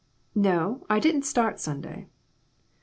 "No; I didn't start Sunday."